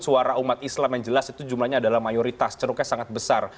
suara umat islam yang jelas itu jumlahnya adalah mayoritas ceruknya sangat besar